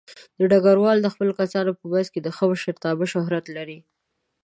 ډګروال د خپلو کسانو په منځ کې د ښه مشرتابه شهرت لري.